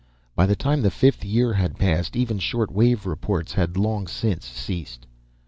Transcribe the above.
By the time the fifth year had passed, even shortwave reports had long since ceased.